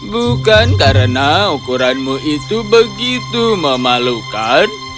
bukan karena ukuranmu itu begitu memalukan